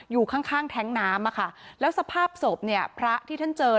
อยู่ข้างข้างแท้งน้ำอะค่ะแล้วสภาพศพเนี่ยพระที่ท่านเจอ